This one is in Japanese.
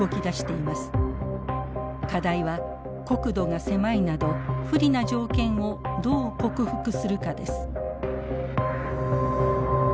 課題は国土が狭いなど不利な条件をどう克服するかです。